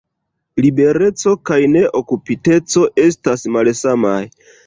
Libereco kaj neokupiteco estas malsamaj.